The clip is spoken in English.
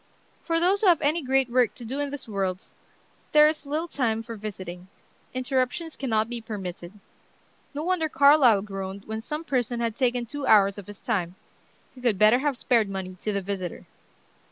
For those who have any great work to do in this worlds there is little time for visiting; interruptions cannot be permitted. No wonder Carlyle groaned when some person had taken two hours of his time. He could better have spared money to the visitor.